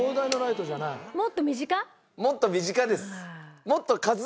もっと身近です。